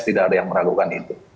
tidak ada yang meragukan itu